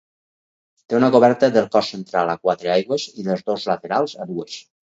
Té una coberta del cos central a quatre aigües i dels dos laterals a dues.